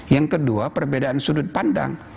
yang kedua perbedaan sudut pandang